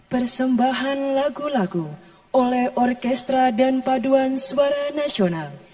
persembahan lagu lagu oleh orkestra dan paduan suara nasional